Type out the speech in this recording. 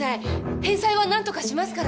返済は何とかしますから。